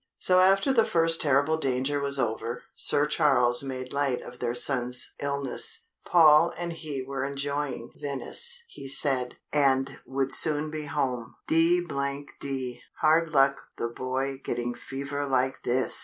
So after the first terrible danger was over, Sir Charles made light of their son's illness. Paul and he were enjoying Venice, he said, and would soon be home. "D d hard luck the boy getting fever like this!"